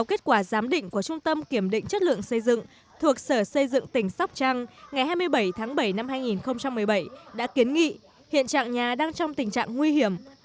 kết quả giám định của trung tâm kiểm định chất lượng xây dựng thuộc sở xây dựng tỉnh sóc trăng ngày hai mươi bảy tháng bảy năm hai nghìn một mươi bảy đã kiến nghị hiện trạng nhà đang trong tình trạng nguy hiểm